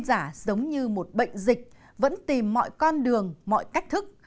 tin giả giống như một bệnh dịch vẫn tìm mọi con đường mọi cách thức